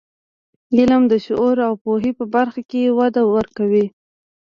علم د شعور او پوهاوي په برخه کې وده ورکوي.